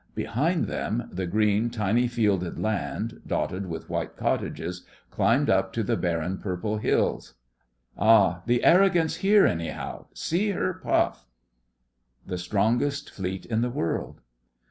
Behind them the green, tiny fielded land, dotted with white cottages, climbed up to the barren purple hills. 'Ah! The Arrogant's here anyhow. See her puff!' THE STRONGEST FLEET IN THE WORLD.